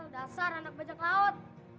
dasar anak bajak laut